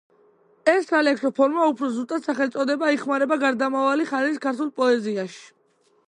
ეს სალექსო ფორმა, უფრო ზუსტად, სახელწოდება, იხმარება გარდამავალი ხანის ქართულ პოეზიაში.